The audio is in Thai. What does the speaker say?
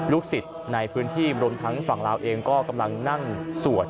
สิทธิ์ในพื้นที่รวมทั้งฝั่งลาวเองก็กำลังนั่งสวด